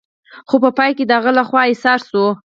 خو په پای کې د هغه لخوا اسیر شو.